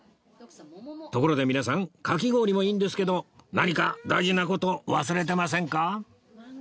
ところで皆さんかき氷もいいんですけど何か大事な事忘れてませんか？